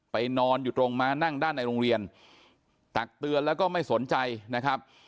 นอนอยู่ตรงม้านั่งด้านในโรงเรียนตักเตือนแล้วก็ไม่สนใจนะครับ